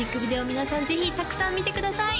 皆さんぜひたくさん見てください